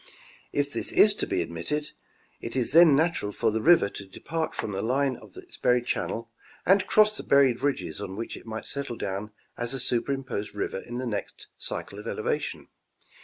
If this be admitted, it is then natural for the river to depart from the line of its buried channel and cross the buried ridges on which it might settle down as a superimposed river in the next cycle of elevation.